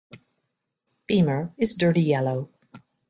Femur is dirty yellow.